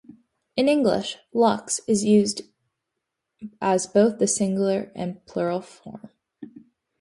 In English, "lux" is used as both the singular and plural form.